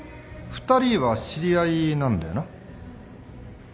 ２人は知り合いなんだよな？